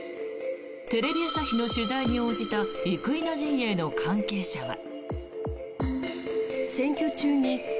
テレビ朝日の取材に応じた生稲陣営の関係者は。